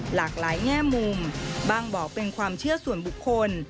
หลากหลายแง่มุมบ้างบอกเป็นความเชื่อส่วนบุคคล